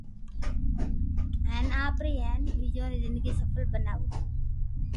ھين آپري ھين ٻچو ري زندگي سفل بڻاوُ